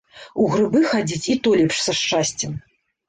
У грыбы хадзіць і то лепш са шчасцем.